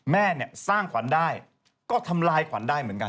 แม่เนี่ยสร้างขวัญได้ก็ทำลายขวัญได้เหมือนกัน